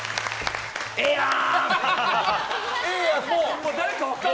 ええやーん！